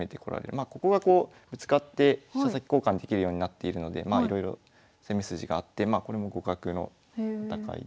まあここがこうぶつかって飛車先交換できるようになっているのでいろいろ攻め筋があってこれも互角の戦いですね。